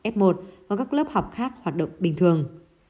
f một và các lớp học khác hoạt động bình thường